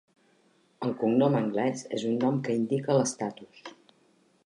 El cognom anglès és un nom que indica l'estatus.